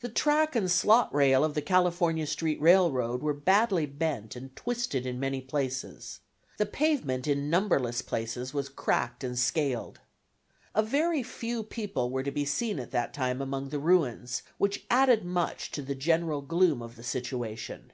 The track and slot rail of the California Street R. R. were badly bent and twisted in many places. The pavement in numberless places was cracked and scaled. A very few people were to be seen at that time among the ruins, which added much to the general gloom of the situation.